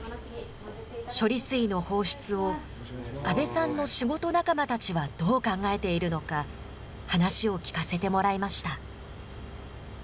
処理水の放出を、阿部さんの仕事仲間たちはどう考えているのか、話を聞かせてもらいました。